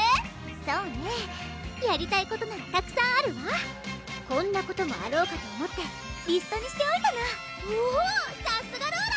そうねやりたいことならたくさんあるわこんなこともあろうかと思ってリストにしておいたのおぉさすがローラ！